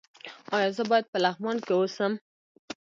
ایا زه باید په لغمان کې اوسم؟